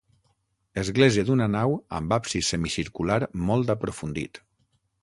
Església d'una nau amb absis semicircular molt aprofundit.